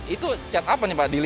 itu chat apa nih pak